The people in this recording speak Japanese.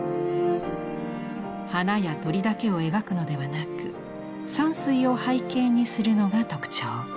花や鳥だけを描くのではなく山水を背景にするのが特徴。